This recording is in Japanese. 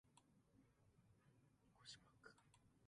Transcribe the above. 綿 h 氏は好きな使途に好かれたい。ご自爆